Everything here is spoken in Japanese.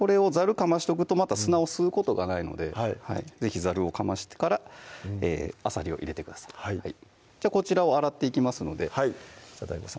かましとくとまた砂を吸うことがないので是非ざるをかましてからあさりを入れてくださいじゃあこちらを洗っていきますのでじゃあＤＡＩＧＯさん